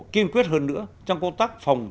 kiên quyết hơn nữa trong công tác phòng